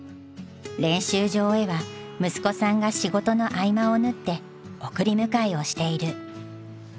練習場へは息子さんが仕事の合間を縫って送り迎えをしている。